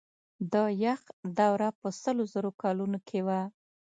د یخ دوره په سلو زرو کلونو کې وه.